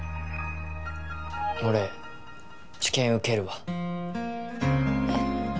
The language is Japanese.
俺治験受けるわえっ